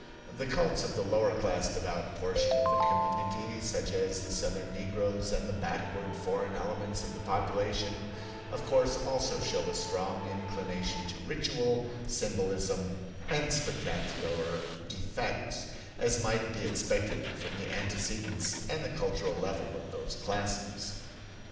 The cults of the lower class devout portion of the community, such as the Southern Negroes and the backward foreign elements of the population, of course also show a strong inclination to ritual, symbolism, and spectacular effects; as might be expected from the antecedents and the cultural level of those classes.